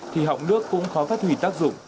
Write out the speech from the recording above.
thì họng nước cũng khó phát thủy tác dụng